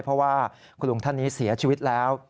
เพราะว่าคุณลุงท่านนี้เสียชีวิตแล้ว